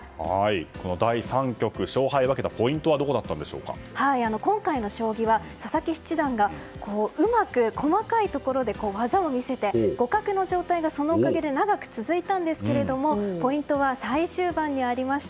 この第３局勝敗を分けたポイントは今回の将棋は佐々木七段がうまく細かいところで技を見せて、互角の状態がそのおかげで長く続いたんですがポイントは最終盤にありました。